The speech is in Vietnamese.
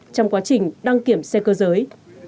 trong quá trình đăng kiểm xe cơ giới